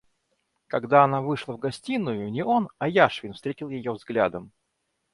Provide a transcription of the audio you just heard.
Когда она вышла в гостиную, не он, а Яшвин встретил ее взглядом.